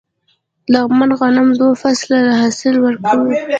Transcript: د لغمان غنم دوه فصله حاصل ورکوي.